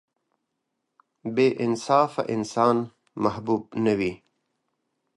• بې انصافه انسان محبوب نه وي.